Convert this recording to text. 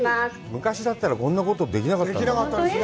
昔だったら、こんなこと、できなかったもんね。